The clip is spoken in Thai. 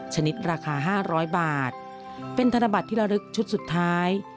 ชนิดราคา๕๐๐บาทเป็นธนบัตรที่ระลึกชุดสุดท้าย